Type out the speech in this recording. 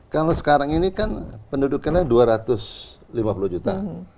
kalau sekarang ini kan pendudukannya dua ratus lima puluh juta